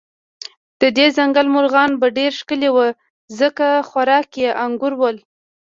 د دې ځنګل مرغان به ډېر ښکلي و، ځکه خوراکه یې انګور ول.